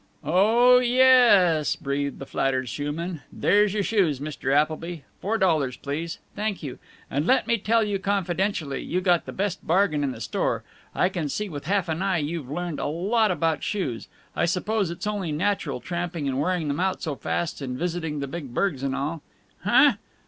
"Oh yessss," breathed the flattered shoeman. "There's your shoes, Mr. Appleby. Four dollars, please. Thank you. And let me tell you, confidentially, you got the best bargain in the store. I can see with half an eye you've learned a lot about shoes. I suppose it's only natural, tramping and wearing them out so fast and visiting the big burgs and all " "Huh!